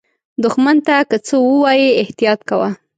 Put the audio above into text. دښمن ته که څه ووایې، احتیاط کوه